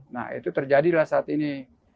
nah itu terjadilah saat ini